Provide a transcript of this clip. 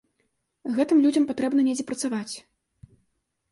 Гэтым людзям патрэбна недзе працаваць.